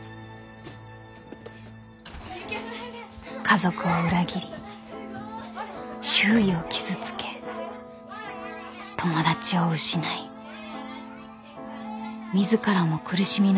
［家族を裏切り周囲を傷つけ友達を失い自らも苦しみの淵に落とす罪］